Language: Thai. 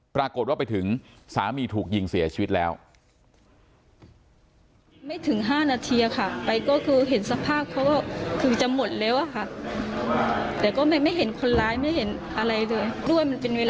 ปรากฏว่าไปถึงสามีถูกยิงเสียชีวิตแล้ว